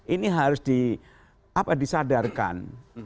ini harus disadarkan